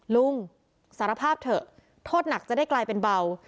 ลุงสารภาพเถอะโทษหนักจะได้กลายเป็นเบา